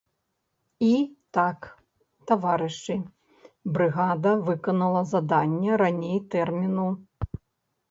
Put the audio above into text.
І так, таварышы, брыгада выканала заданне раней тэрміну.